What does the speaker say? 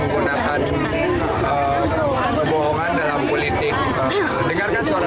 sejumlah warga yang mengeluhkan bahwa politikus berpolitik tidak menggunakan kebohongan